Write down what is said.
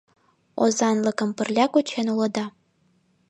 — Озанлыкым пырля кучен улыда?